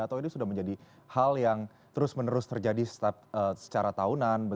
atau ini sudah menjadi hal yang terus menerus terjadi secara tahunan